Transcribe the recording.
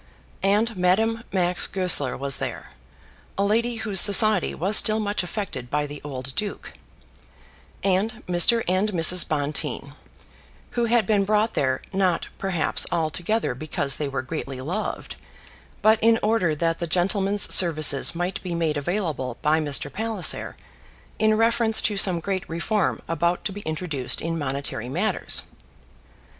And Madame Max Goesler was there, a lady whose society was still much affected by the old duke; and Mr. and Mrs. Bonteen, who had been brought there, not, perhaps altogether because they were greatly loved, but in order that the gentleman's services might be made available by Mr. Palliser in reference to some great reform about to be introduced in monetary matters.